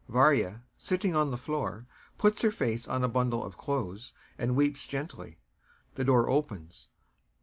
] [VARYA, sitting on the floor, puts her face on a bundle of clothes and weeps gently. The door opens.